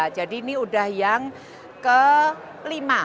jadi ini sudah yang kelima